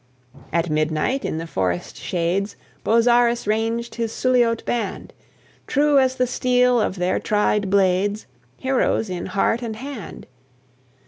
At midnight, in the forest shades, Bozzaris ranged his Suliote band, True as the steel of their tried blades, Heroes in heart and hand.